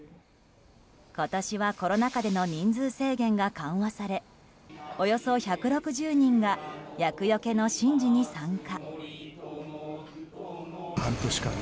今年はコロナ禍での人数制限が緩和されおよそ１６０人が厄除けの神事に参加。